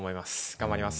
頑張ります